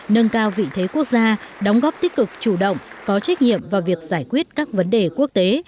nâng cao vị thế quốc gia đóng góp tích cực chủ động có trách nhiệm vào việc giải quyết các vấn đề quốc tế